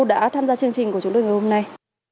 đã tham gia chương trình của chúng tôi ngày hôm nay